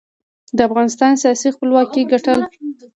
د افغانستان سیاسي خپلواکۍ ګټل.